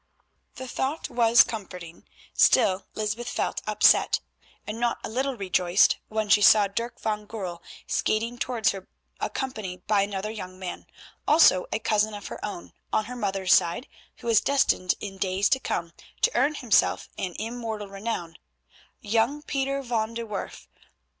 The thought was comforting, still Lysbeth felt upset, and not a little rejoiced when she saw Dirk van Goorl skating towards her accompanied by another young man, also a cousin of her own on her mother's side who was destined in days to come to earn himself an immortal renown—young Pieter van de Werff.